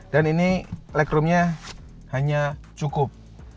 dan ini legroomnya hanya cukup